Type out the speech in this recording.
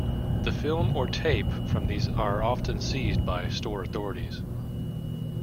The film or tape from these are often seized by store authorities.